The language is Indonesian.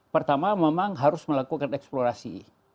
pertama memang harus melakukan eksplorasi